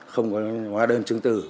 không có hóa đơn chứng từ